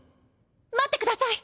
待ってください！